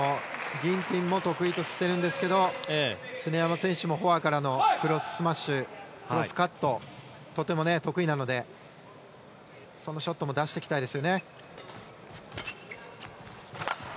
ギンティンも得意としてるんですけど常山選手もフォアからのクロススマッシュクロスカット、とても得意なのでそのショットも出していきたいです。